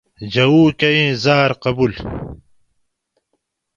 جوؤ کہ ای زاۤر قبولو